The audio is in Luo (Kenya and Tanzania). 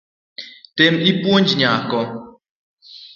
Tem ipuonj nyako